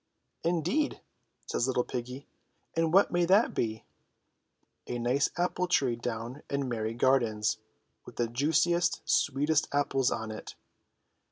"Indeed," says little piggy, "and what may that be?" "A nice apple tree down in Merry gardens with the juici est, sweetest apples on it